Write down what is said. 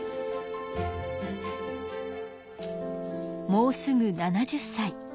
もうすぐ７０さい。